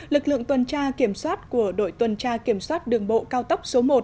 lực lượng tuần tra kiểm soát của đội tuần tra kiểm soát đường bộ cao tốc số một